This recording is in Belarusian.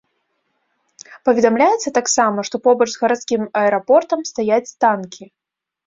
Паведамляецца таксама, што побач з гарадскім аэрапортам стаяць танкі.